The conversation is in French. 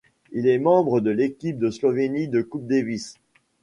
Il est membre de l'équipe de Slovénie de Coupe Davis.